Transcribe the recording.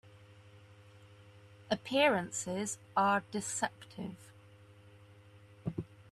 Appearances are deceptive.